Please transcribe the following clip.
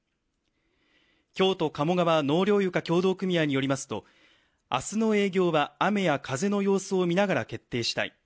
京都鴨川の納涼床協同組合によりますとあすの営業は雨や風の様子を見ながら決定したい。